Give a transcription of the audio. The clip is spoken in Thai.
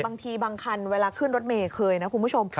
บางทีบางคันเวลาขึ้นรถเมย์เคยนะคุณผู้ชม